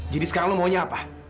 jadi sekarang lu maunya apa